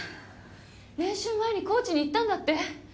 練習前にコーチに言ったんだって？